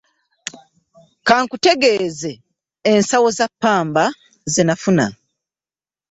Ka nkutegeeze ensawo za ppamba ze nafuna.